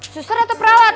suster atau perawat